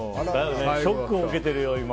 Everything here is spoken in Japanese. ショックを受けてるよ、今。